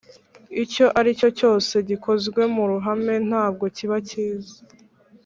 icyo ari cyo cyose gikozwe mu ruhame ntabwo kiba cyiza